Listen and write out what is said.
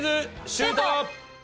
シュート！